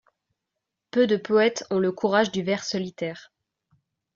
Peu de poètes ont le courage du vers solitaire !